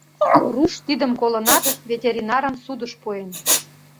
Руш тидым колынат, ветеринарым судыш пуэн.